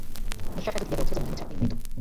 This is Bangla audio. নিঃশ্বাস এত ধীরে পড়ছে যে মনে হচ্ছে আপনি মৃত!